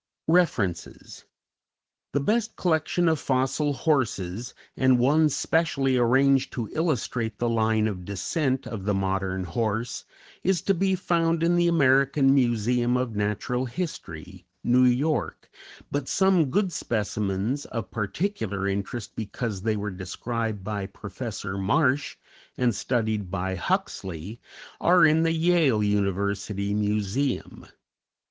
REFERENCES _The best collection of fossil horses, and one specially arranged to illustrate the line of descent of the modern horse, is to be found in the American Museum of Natural History, New York, but some good specimens, of particular interest because they were described by Professor Marsh and studied by Huxley are in the Yale University Museum.